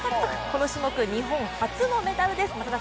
この種目、日本初のメダルです。